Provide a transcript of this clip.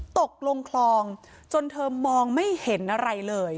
ตกลงคลองจนเธอมองไม่เห็นอะไรเลย